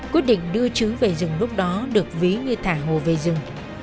quyết định đưa chứ về rừng lúc đó được ví như thả hồ về rừng